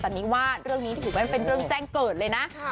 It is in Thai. แต่นี่ว่าเรื่องนี้ถือว่ามันเป็นเรื่องแจ้งเกิดเลยนะ